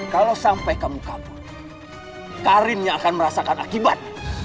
kalau sampai kamu kabur karinnya akan merasakan akibat